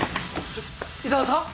ちょっ井沢さん？